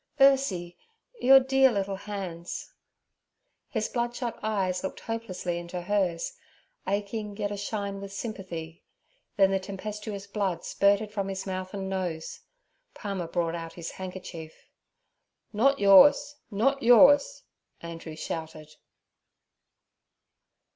'Ursie! Your dear little hands!' His bloodshot eyes looked hopelessly into hers, aching yet ashine with sympathy; then the tempestuous blood spurted from his mouth and nose. Palmer brought out his handkerchief. 'Not yours, not yours!' Andrew shouted.